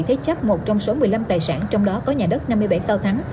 thế chấp một trong số một mươi năm tài sản trong đó có nhà đất năm mươi bảy cao thắng